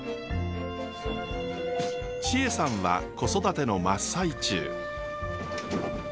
千恵さんは子育ての真っ最中。